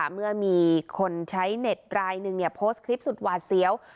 เมื่อมีคนใช้เน็ตรายหนึ่งโพสต์คลิปสุดหวาดเสียว